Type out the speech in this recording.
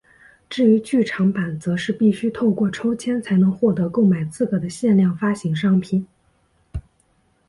至于剧场版则是必须透过抽签才能获得购买资格的限量发行商品。